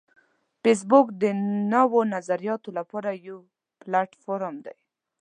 فېسبوک د نوو نظریاتو لپاره یو پلیټ فارم دی